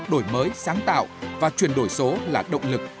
đổi mới sáng tạo và chuyển đổi số là động lực